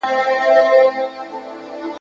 زه په داسي حال کي `